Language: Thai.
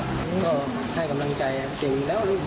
ก็ให้กำลังใจเป็นอย่างนี้แล้ว